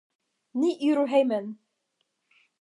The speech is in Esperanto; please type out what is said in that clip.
Ni iru hejmen!